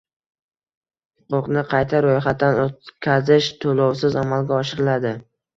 Huquqni qayta roʼyxatdan oʼtkazish toʼlovsiz amalga oshiriladi.